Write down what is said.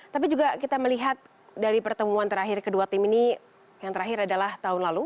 tapi juga kita melihat dari pertemuan terakhir kedua tim ini yang terakhir adalah tahun lalu